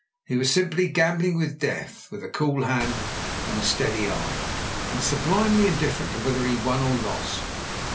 He was simply gambling with death, with a cool hand and a steady eye, and sublimely indifferent to whether he won or lost.